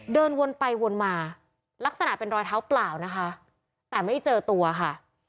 เดินวนไปวนมาลักษณะเป็นรอยเท้าเปล่านะคะแต่ไม่เจอตัวค่ะ